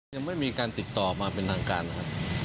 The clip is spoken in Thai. ยังไม่มีการติดต่อมาเป็นทางการนะครับ